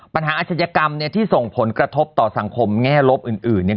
ปัญหาอาชญกรรมที่ส่งผลกระทบต่อสังคมแง่ลบอื่น